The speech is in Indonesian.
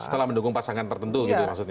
setelah mendukung pasangan tertentu gitu maksudnya